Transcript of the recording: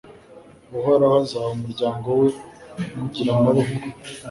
Uhoraho azaha umuryango we kugira amaboko